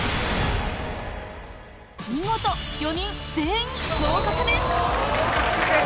見事、４人全員合格です。